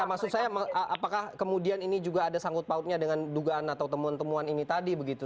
maksud saya apakah kemudian ini juga ada sangkut pautnya dengan dugaan atau temuan temuan ini tadi begitu